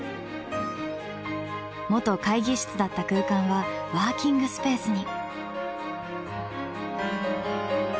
元会議室だった空間はワーキングスペースに。